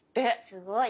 すごい。